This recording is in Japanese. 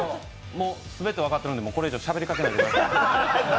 もうすべて分かってるんでこれ以上喋りかけないでください。